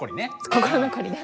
心残りです。